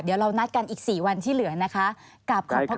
เดี๋ยวเรานัดกันอีก๔วันที่เหลือนะคะ